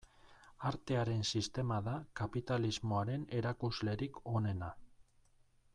Artearen sistema da kapitalismoaren erakuslerik onena.